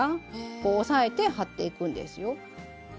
こう押さえて貼っていくんですよ。